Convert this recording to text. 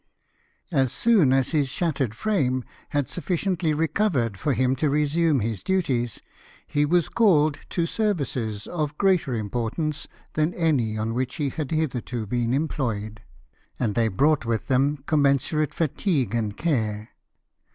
As soon as his shattered frame had sufficiently recovered for him to resume his duties, he was called to services of greater importance than any on which he had hitherto been employed, and they brought with them commensurate fatigue and care.